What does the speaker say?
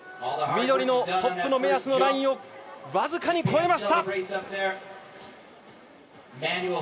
緑のトップの目安のラインをわずかに越えました。